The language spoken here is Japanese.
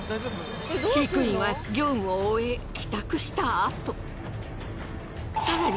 飼育員は業務を終え帰宅したあと。